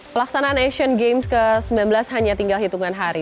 pelaksanaan asian games ke sembilan belas hanya tinggal hitungan hari